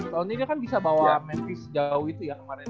tahun ini kan bisa bawa memphis jauh itu ya kemaren